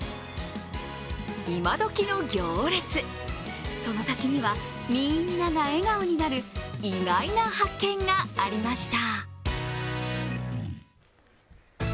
今どきの行列、その先にはみんなが笑顔になる意外な発見がありました。